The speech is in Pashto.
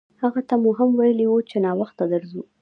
هغه ته مو هم ویلي وو چې ناوخته درځو.